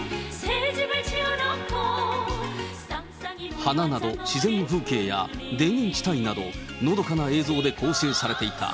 花など自然風景や田園地帯など、のどかな映像で構成されていた。